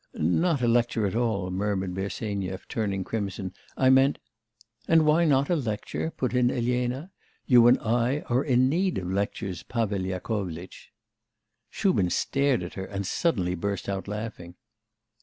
'Not a lecture at all,' murmured Bersenyev, turning crimson. 'I meant ' 'And why not a lecture?' put in Elena. 'You and I are in need of lectures, Pavel Yakovlitch.' Shubin stared at her, and suddenly burst out laughing.